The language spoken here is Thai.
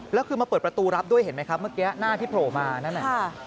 แล้วคือมาเปิดประตูรับด้วยเห็นไหมครับเมื่อกี้หน้าที่โผล่มานั่นน่ะ